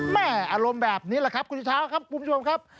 อารมณ์แบบนี้แหละครับคุณชิเช้าครับคุณผู้ชมครับ